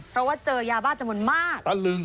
เพราะเจอยาบ้าจมนต์มาก